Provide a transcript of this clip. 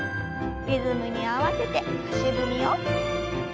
リズムに合わせて足踏みを。